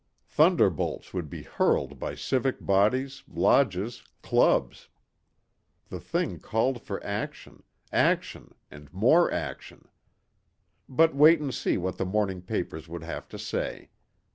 Thunderbolts would be hurled by civic bodies, lodges, clubs. The thing called for action, action and more action. But wait and see what the morning papers would have to say.